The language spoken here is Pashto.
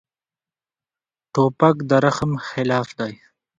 توپک د رحم خلاف دی.